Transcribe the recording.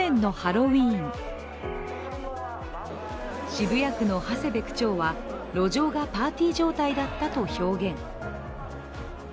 渋谷区の長谷部区長は路上がパーティー状態だったと表現。